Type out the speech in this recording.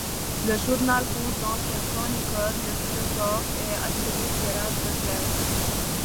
Le journal compte dans ses chroniqueurs le philosophe et essayiste Gérard Leclerc.